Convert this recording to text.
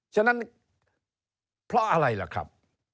ฉะนั้นเพราะอะไรล่ะครับ